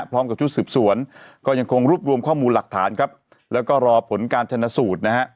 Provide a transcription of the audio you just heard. พร้อมกับชุดสืบสวนก็ยังคงรวบรวมข้อมูลหลักฐานครับแล้วก็รอผลการชนะสูตรนะฮะ